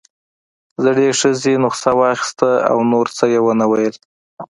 زړې ښځې نسخه واخيسته او نور څه يې ونه ويل.